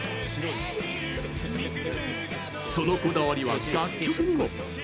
そのこだわりは楽曲にも！